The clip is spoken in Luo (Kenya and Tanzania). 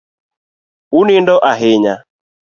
Unindo ahinya